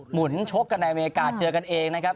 หุนชกกันในอเมริกาเจอกันเองนะครับ